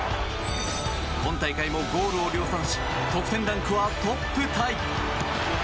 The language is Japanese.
今大会もゴールを量産し得点ランクはトップタイ。